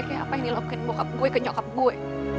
kaya apa yang dilakuin bokap gue ke nyokap gue